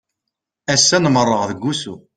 Ass-a nmerreɣ deg usu.